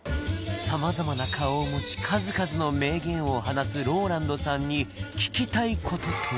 様々な顔を持ち数々の名言を放つＲＯＬＡＮＤさんに聞きたいこととは？